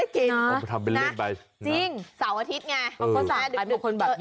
เจ้าอาทิตย์ไง